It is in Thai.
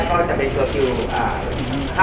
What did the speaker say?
พวกมันจัดสินค้าที่๑๙นาที